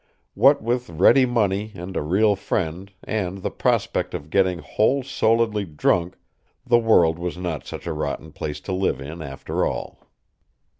What with ready money and a real friend and the prospect of getting whole souledly drunk the world was not such a rotten place to live in after all!